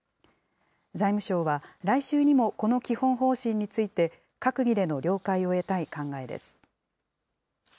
財務省は来週にも、この基本方針について、閣議での了解を得たい考えです。